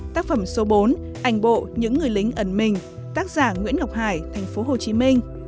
tác phẩm số bốn ánh bộ những người lính ẩn mình tác giả nguyễn ngọc hải tp hcm